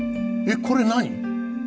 えっこれ何？